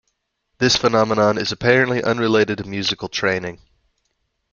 This phenomenon is apparently unrelated to musical training.